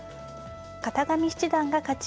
片上七段が勝ち